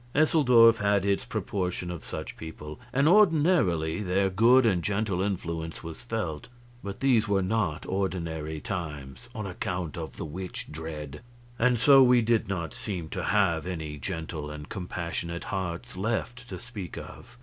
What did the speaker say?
Eseldorf had its proportion of such people, and ordinarily their good and gentle influence was felt, but these were not ordinary times on account of the witch dread and so we did not seem to have any gentle and compassionate hearts left, to speak of.